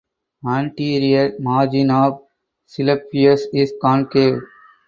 Anterior margin of clypeus is concave.